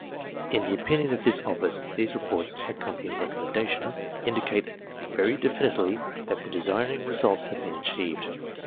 "In the opinion of this office these reports (accompanying recommendation) indicate very definitely that the desired re sults have been achieved.